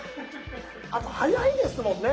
あと早いですもんね